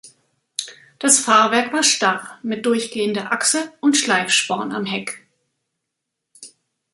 Das Fahrwerk war starr mit durchgehender Achse und Schleifsporn am Heck.